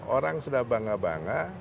orang sudah bangga bangga